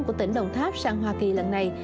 của tỉnh đồng tháp sang hoa kỳ lần này